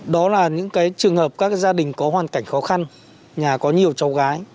đó là những trường hợp các gia đình có hoàn cảnh khó khăn nhà có nhiều cháu gái